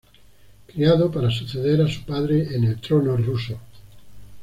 Criado para suceder a su padre en el trono ruso.